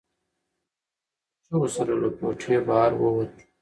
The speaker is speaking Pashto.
ماشوم په چیغو سره له کوټې بهر ووت.